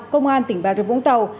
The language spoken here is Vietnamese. công an tỉnh bà rực vũng tàu